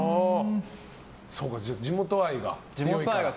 そうか、地元愛が。